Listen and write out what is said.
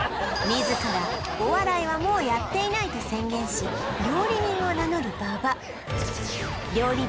自ら「お笑いはもうやっていない」と宣言し料理人を名乗る馬場料理